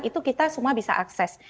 itu kita semua bisa akses